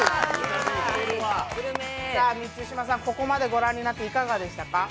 満島さん、ここまで御覧になっていかがでしたか？